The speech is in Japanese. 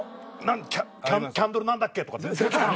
キャンドル何だっけとか。